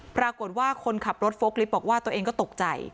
ปรากฏว่าคนขับรถโฟล์คลิปบอกว่าตัวเองก็ตกใจ